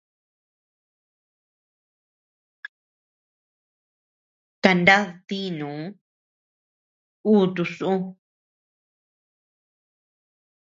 Kanad tinu kutu su.